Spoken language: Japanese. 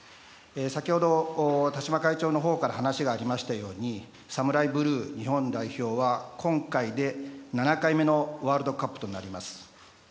先ほど、田嶋会長のほうから話がありましたようにＳＡＭＵＲＡＩＢＬＵＥ日本代表は今回で７回目のワールドカップとなります。